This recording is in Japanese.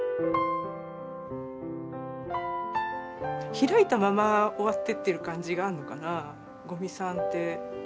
開いたまま終わってってる感じがあるのかな五味さんって。